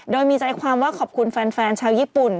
โดยมีใจความว่าขอบคุณแฟนชาวญี่ปุ่น